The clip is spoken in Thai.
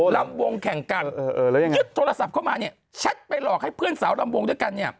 ลำวงแข่งกันยึดโทรศัพท์เข้ามาเนี่ยแชทไปหลอกให้เพื่อนสาวลำวงด้วยกันเนี่ย